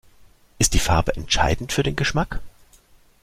Ist die Farbe entscheidend für den Geschmack?